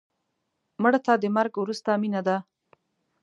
مړه ته د مرګ وروسته مینه ده